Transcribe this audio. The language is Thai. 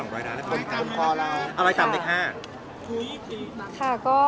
เห็น๒๐๐ล้านหรือเปล่าเหมือนกันเอารายต่ำเล็ก๕